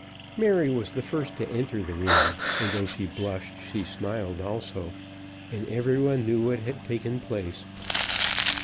Mary was the first to enter the room, and though she blushed she smiled also, and every one knew what had taken place.